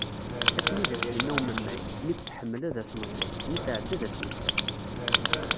Akken i d as-yenna umemmay, mi d-teḥmel ad as-neṭṭes, mi tɛedda ad as-nekker.